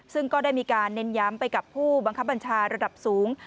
ซึ่งก็ได้มีการเน้นย้ำไปกับผู้บังคับบัญชาระดับสูง